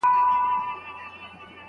د مقالې ژبه نه بدلول کېږي.